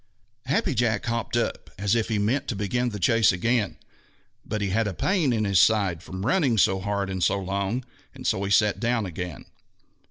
Happy Jack hopped up as if he meant to begin the chase again, but he had a pain in his side from running so hard and so long, and so he sat down again.